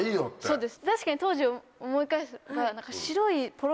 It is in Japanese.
そうです。